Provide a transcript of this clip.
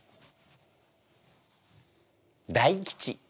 大吉！